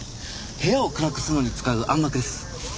部屋を暗くするのに使う暗幕です。